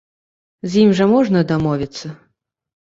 З ім жа можна дамовіцца.